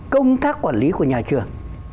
công tác quản lý của nhà trường